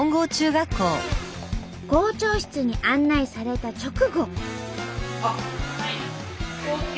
校長室に案内された直後。